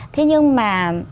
thế nhưng mà